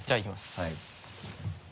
はい。